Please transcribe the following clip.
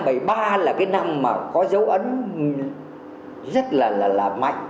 đó là cái năm mà có dấu ấn rất là là mạnh